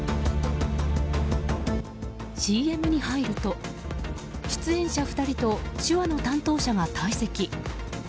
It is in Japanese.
ＣＭに入ると出演者２人と手話の担当者が退席。